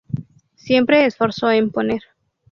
Siempre esforzó en poner